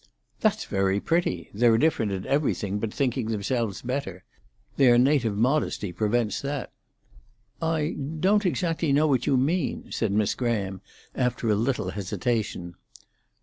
"That's very pretty. They're different in everything but thinking themselves better. Their native modesty prevents that." "I don't exactly know what you mean," said Miss Graham, after a little hesitation.